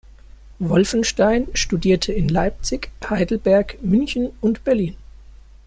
Wolffenstein studierte in Leipzig, Heidelberg, München und Berlin.